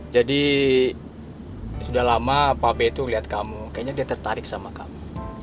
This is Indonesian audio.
jadi sudah lama pak be itu lihat kamu kayaknya dia tertarik sama kamu